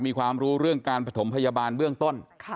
มีความรู้เรื่องการประถมพยาบาลเบื้องต้น